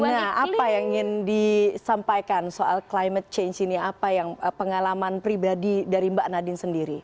nah apa yang ingin disampaikan soal climate change ini apa yang pengalaman pribadi dari mbak nadine sendiri